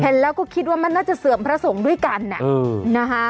เห็นแล้วก็คิดว่ามันน่าจะเสื่อมพระสงฆ์ด้วยกันนะคะ